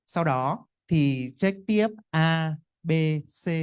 sau đó thì trách tiếp a b c